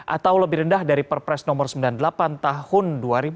atau lebih rendah dari perpres nomor sembilan puluh delapan tahun dua ribu dua puluh